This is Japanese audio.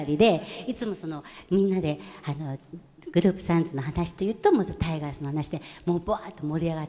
いつもみんなでグループ・サウンズの話というとザ・タイガースの話でもうぶわーっと盛り上がって。